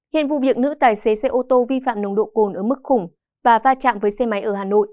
hiện vụ việc nữ tài xế xe ô tô vi phạm nồng độ cồn ở mức khủng và va chạm với xe máy ở hà nội